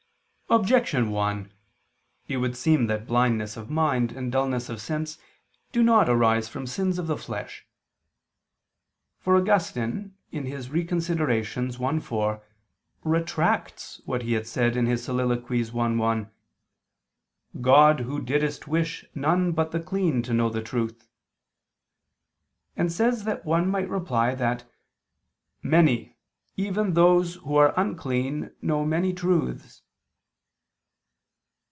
Objection 1: It would seem that blindness of mind and dulness of sense do not arise from sins of the flesh. For Augustine (Retract. i, 4) retracts what he had said in his Soliloquies i, 1, "God Who didst wish none but the clean to know the truth," and says that one might reply that "many, even those who are unclean, know many truths."